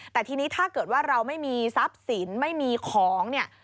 แต่ทีนี้ถ้าเกิดว่าเราไม่มีทรัพย์สินไม่มีของเนี่ย